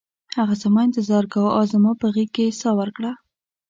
هغه زما انتظار کاوه او زما په غیږ کې یې ساه ورکړه